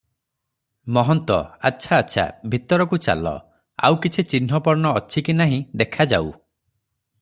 ମହନ୍ତ- ଆଚ୍ଛା ଆଚ୍ଛା, ଭିତରକୁ ଚାଲ, ଆଉ କିଛି ଚିହ୍ନ ବର୍ଣ୍ଣ ଅଛି କି ନାହିଁ, ଦେଖାଯାଉ ।